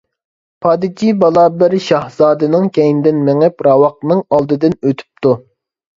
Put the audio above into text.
پادىچى بالا بىر شاھزادىنىڭ كەينىدىن مېڭىپ، راۋاقنىڭ ئالدىدىن ئۆتۈپتۇ.